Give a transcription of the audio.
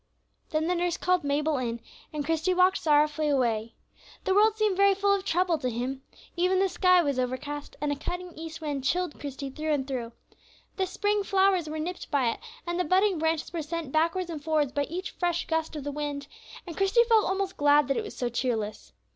Then the nurse called Mabel in, and Christie walked sorrowfully away. The world seemed very full of trouble to him. Even the sky was overcast, and a cutting east wind chilled Christie through and through. The spring flowers were nipped by it, and the budding branches were sent backwards and forwards by each fresh gust of the wind, and Christie felt almost glad that it was so cheerless.